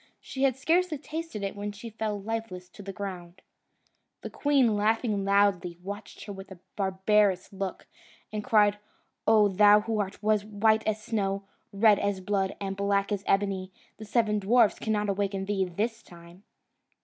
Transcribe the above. She had scarcely tasted it, when she fell lifeless to the ground. The queen, laughing loudly, watched her with a barbarous look, and cried, "O thou who art white as snow, red as blood, and black as ebony, the seven dwarfs cannot awaken thee this time!"